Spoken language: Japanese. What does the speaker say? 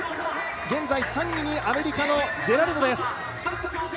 現在３位にアメリカのジェラルド。